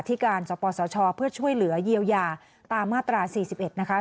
ที่การสปสชเพื่อช่วยเหลือเยียวยาตามมาตรา๔๑นะคะ